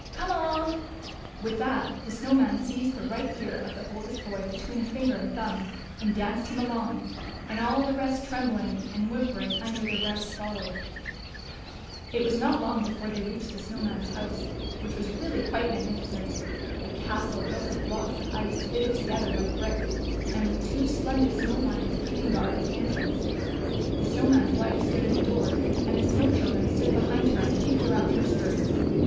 Come along." With that the Snow Man seized the right ear of the oldest boy between a finger and thumb, and danced him along, and all the rest, trem bling, and whimpering under their breaths, followed. 266 THE CHILDREN'S WONDER BOOK. It was not long before they reached the Snow Man's house, which was really quite magnificent : a castle built of blocks of ice fitted together like bricks, and Avith two splendid snow lions keeping guard at the entrance. The Snow Man's Avife stood in the door, and the SnoAv Children stood behind her and peeped around her skirts.